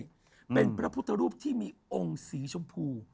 เป็นพระพุทธรูปที่มีองค์สีชมพู